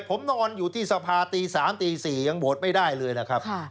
ผมนอนอยู่ที่สภาตี๓ตี๔ยังโหวตไม่ได้เลยนะครับ